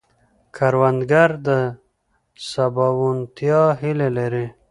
کروندګر د سباوونتیا هیله لري